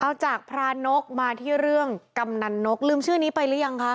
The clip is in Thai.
เอาจากพระนกมาที่เรื่องกำนันนกลืมชื่อนี้ไปหรือยังคะ